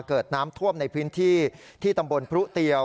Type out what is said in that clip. เกิดน้ำท่วมในพื้นที่ที่ตำบลพรุเตียว